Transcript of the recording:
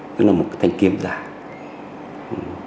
tức là một thanh kiếm dài